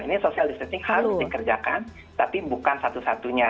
ini social distancing harus dikerjakan tapi bukan satu satunya